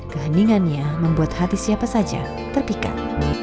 keheningannya membuat hati siapa saja terpikat